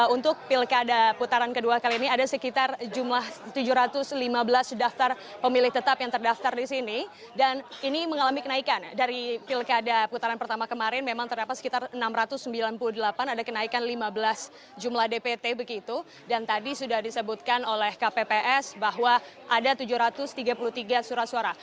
untuk pilkada putaran kedua kali ini ada sekitar jumlah tujuh ratus lima belas daftar pemilih tetap yang terdaftar di sini dan ini mengalami kenaikan dari pilkada putaran pertama kemarin memang terdapat sekitar enam ratus sembilan puluh delapan ada kenaikan lima belas jumlah dpt begitu dan tadi sudah disebutkan oleh kpps bahwa ada tujuh ratus tiga puluh tiga surat suara